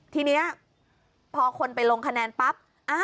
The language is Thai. ทีนี้พอคนไปลงคะแนนปั๊บ